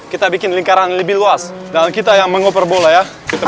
kita bikin lingkaran lebih luas dan kita yang mengoper bola ya